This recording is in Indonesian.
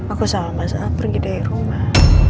aku sama mas al pergi dari rumah